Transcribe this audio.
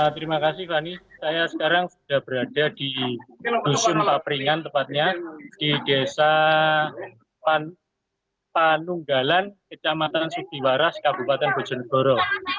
terima kasih fani saya sekarang sudah berada di dusun papringan tepatnya di desa panunggalan kecamatan sudiwaras kabupaten bojonegoro